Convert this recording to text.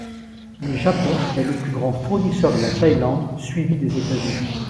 Le Japon est le plus grand fournisseur de la Thaïlande, suivi des États-Unis.